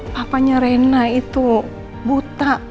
papanya rena itu buta